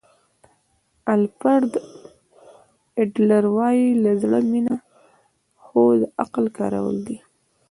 الفرډ اډلر وایي له زړه مینه خو د عقل کارول دي.